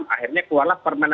akhirnya keluarlah permanente